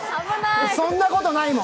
そんなことないもん！